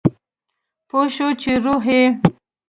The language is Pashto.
پوه شو چې روح یې